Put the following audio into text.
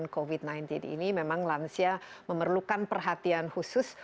covid sembilan belas ini memang lansia memerlukan perhatian khusus